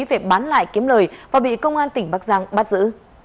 về bán lại kiếm lời và bị công an tỉnh bắc giang bắt giữ